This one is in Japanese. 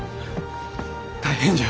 大変じゃ。